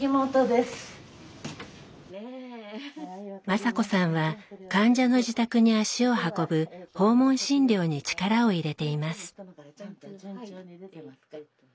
雅子さんは患者の自宅に足を運ぶ訪問診療に力を入れています。